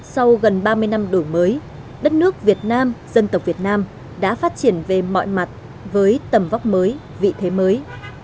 sau gần ba mươi năm đổi mới đất nước việt nam dân tộc việt nam đã phát triển về mọi mặt với tầm vóc mới vị thế mới